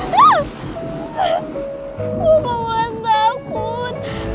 papa mulan takut